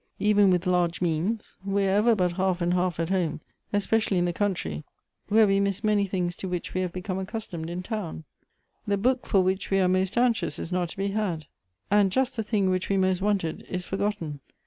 "Even with large means, we are ever but half and half at home, especially in the country, where we miss many things to which we have become accustome<l in town. The book for which we are most anxious is not to be had, and just the thing which we most wanted is forgotten.